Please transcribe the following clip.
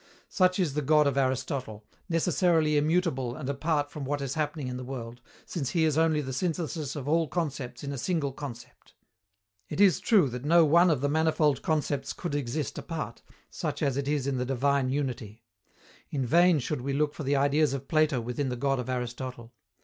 Such is the God of Aristotle necessarily immutable and apart from what is happening in the world, since he is only the synthesis of all concepts in a single concept. It is true that no one of the manifold concepts could exist apart, such as it is in the divine unity: in vain should we look for the ideas of Plato within the God of Aristotle.